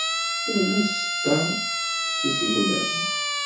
Terna tseṭṭa s isegman.